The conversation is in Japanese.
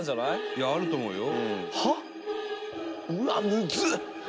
いやあると思うよ。